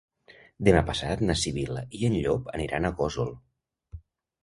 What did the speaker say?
Demà passat na Sibil·la i en Llop aniran a Gósol.